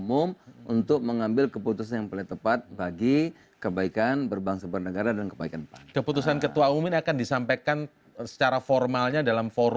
buat kami partai amanah nasional